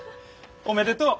おめでとう。